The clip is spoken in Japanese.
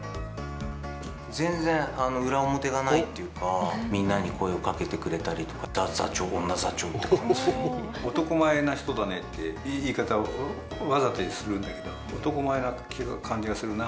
全然裏表がないっていうか、みんなに声をかけてくれたりとか、ザ・座長、男前な人だねって言い方をわざするんだけど、男前な感じがするな。